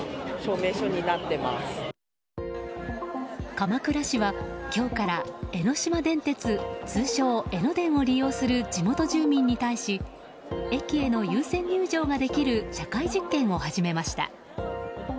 鎌倉市は今日から、江ノ島電鉄通称・江ノ電を利用する地元住民に対し駅への優先入場ができる社会実験を始めました。